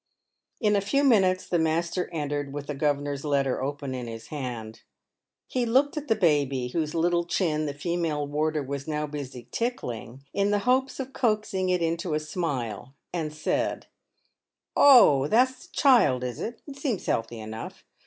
In a few minutes the master entered with Hm governor's letter open in his hand. He looked at the baby, whose little chin the female warder was now busy tickling, in the hopes of coaxing it into a smile, and said :" Oh, that's the child, is it ? It seems healthy enough